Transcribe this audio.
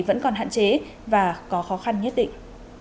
vẫn còn hạn chế và có khó khăn nhất định